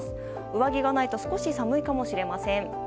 上着がないと少し寒いかもしれません。